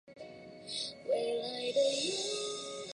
毛蕊三角车为堇菜科三角车属下的一个种。